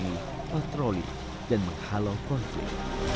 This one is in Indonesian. mengurangi patroli dan menghalau konflik